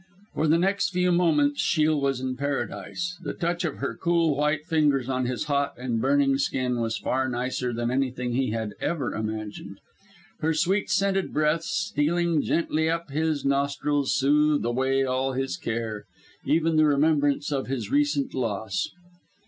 For the next few moments Shiel was in Paradise. The touch of her cool, white fingers on his hot and burning skin was far nicer than anything he had ever imagined. Her sweet scented breath stealing gently up his nostrils soothed away all his care even the remembrance of his recent loss.